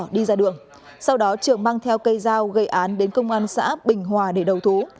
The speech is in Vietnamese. đi ra đường sau đó trường mang theo cây dao gây án đến công an xã bình hòa để đầu thú